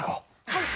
はい。